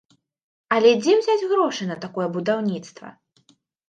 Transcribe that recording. Але дзе ўзяць грошы на такое будаўніцтва?